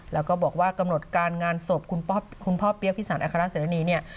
แล้วก็บอกว่ากำหนดการงานศพคุณพ่อเบี๊ยกพิศาลอาคาราศิรณี